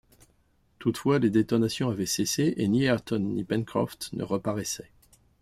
Toutefois, les détonations avaient cessé, et ni Ayrton ni Pencroff ne reparaissaient